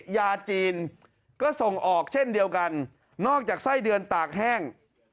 ยาจีนก็ส่งออกเช่นเดียวกันนอกจากไส้เดือนตากแห้ง